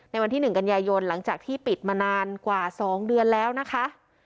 วันที่๑กันยายนหลังจากที่ปิดมานานกว่า๒เดือนแล้วนะคะ